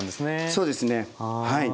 そうですね。